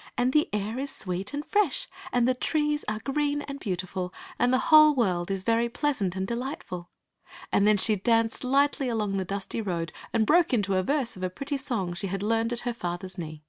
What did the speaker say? " And the air is sweet and fresh, and the trees are green and beautiful, and the whole world is 42 Queen Zixi of Ix very pleasant and delightful." And then she danced lightly along the dusty road and broke into a verse of a pretty song she had learned at her father s knee.